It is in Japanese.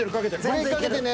ブレーキかけてね。